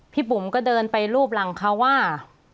บุ๋มก็เดินไปรูปหลังเขาว่า